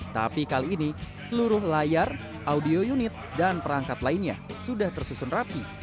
tapi kali ini seluruh layar audio unit dan perangkat lainnya sudah tersusun rapi